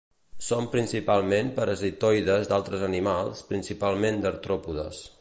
Són principalment parasitoides d'altres animals, principalment d'artròpodes.